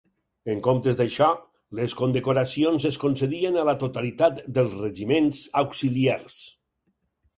En comptes d'això, les condecoracions es concedien a la totalitat dels regiments auxiliars.